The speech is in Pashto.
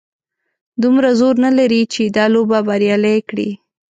دومره زور نه لري چې دا لوبه بریالۍ کړي.